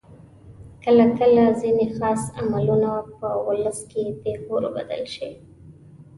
کله کله ځینې خاص عملونه په ولس کې پیغور بدل شي.